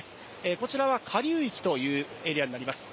こちらは下流域というエリアになります。